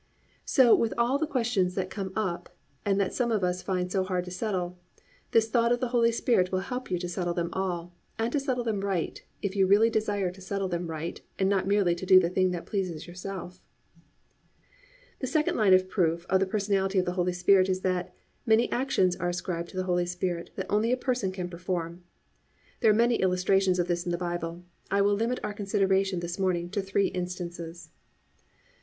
So with all the questions that come up and that some of us find so hard to settle, this thought of the Holy Spirit will help you to settle them all, and to settle them right, if you really desire to settle them right and not merely to do the thing that pleases yourself. 2. The second line of proof of the personality of the Holy Spirit is that, many actions are ascribed to the Holy Spirit that only a person can perform. There are many illustrations of this in the Bible; but I will limit our consideration this morning to three instances.